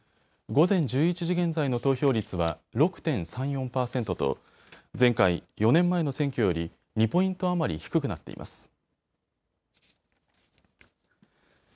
午前１１時現在の投票率は６．３４％と前回４年前の選挙より２ポイント余り低くなっています。